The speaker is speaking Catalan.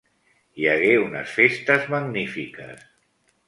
Hi hagué unes festes magnífiques.